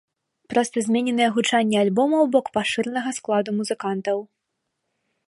Проста змененае гучанне альбома ў бок пашыранага складу музыкантаў.